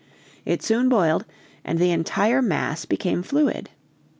It soon boiled and the entire mass became fluid.